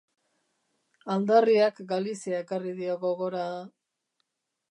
Aldarriak Galizia ekarri dio gogora...